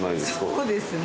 そうですね